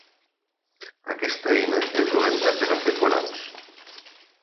Aquesta eina és dolenta per a fer forats.